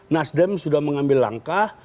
nasdem sudah mengambil langkah